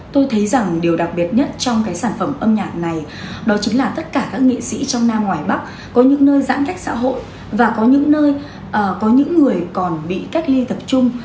tôi thấy rằng điều đặc biệt nhất trong cái sản phẩm âm nhạc này đó chính là tất cả các nghệ sĩ trong nam ngoài bắc có những nơi giãn cách xã hội và có những nơi có những người còn bị cách ly tập trung